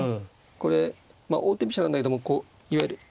これ王手飛車なんだけどもこういわゆる。